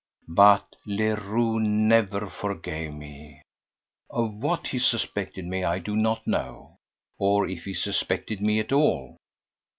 But Leroux never forgave me. Of what he suspected me I do not know, or if he suspected me at all.